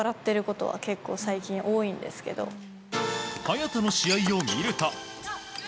早田の試合を見ると。